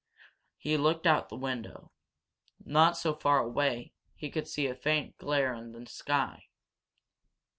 He looked out of the window. Not so far away he could see a faint glare in the sky.